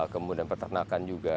kemudian peternakan juga